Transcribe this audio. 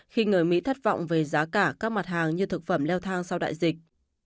khi người mỹ thất vọng về giá cả các mặt hàng như thực phẩm leo thang sau đại dịch